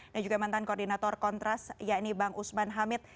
dan juga mantan koordinator kontras ya ini bang usman hamid